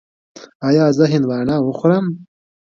ایا زه هندواڼه وخورم؟